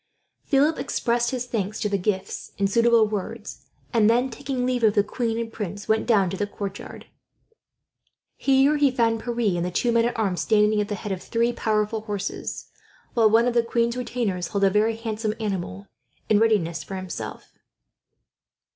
Philip expressed his thanks for the gifts in suitable words; and then, taking leave of the queen and prince, went down to the courtyard. Here he found Pierre and the two men at arms, standing at the head of three powerful horses; while one of the queen's retainers held a very handsome animal in readiness for himself.